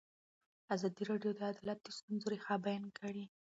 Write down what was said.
ازادي راډیو د عدالت د ستونزو رېښه بیان کړې.